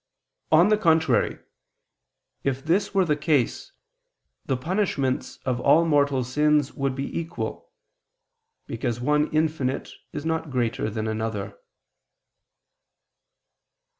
On the contrary, If this were the case, the punishments of all mortal sins would be equal; because one infinite is not greater than another.